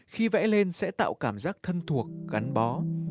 khi vẽ lên sẽ tạo cảm giác thân thuộc gắn bó